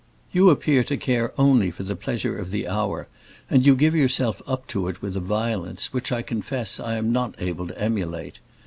You appear to care only for the pleasure of the hour, and you give yourself up to it with a violence which I confess I am not able to emulate.